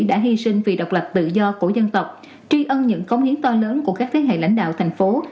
đã hy sinh vì độc lập tự do của dân tộc tri ân những cống hiến to lớn của các thế hệ lãnh đạo tp hcm